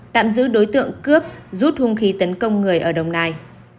tạm giữ đối tượng cướp rút hung khí tấn công người ở đồng nai